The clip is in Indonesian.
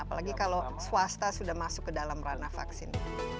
apalagi kalau swasta sudah masuk ke dalam ranah vaksin